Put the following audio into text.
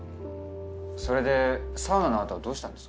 それでサウナのあとはどうしたんです？